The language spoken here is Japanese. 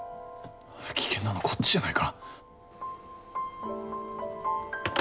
危険なのはこっちじゃないか。